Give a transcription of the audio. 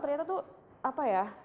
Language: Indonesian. ternyata itu apa ya